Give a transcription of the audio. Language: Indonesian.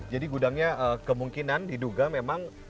jadi gudangnya kemungkinan diduga memang